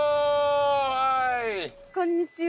こんにちは。